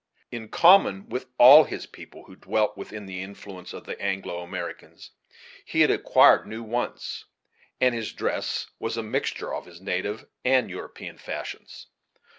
In common with all his people, who dwelt within the influence of the Anglo Americans, he had acquired new wants, and his dress was a mixture of his native and European fashions.